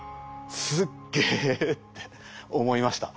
「すっげえ」って思いました。